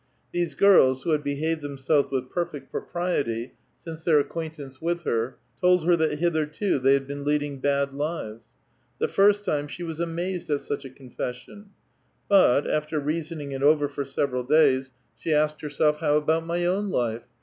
These girls, who had behaved themselves with perfect propriety since their acquaintance with her. told her that hitherto they had been leading bad lives. The first time she was amazed at such a confession ; but, after reasoning it over for several days, she asked her A VITAL QUESTION. 211 self: How about my own life?